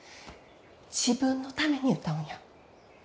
自分のために歌うんや。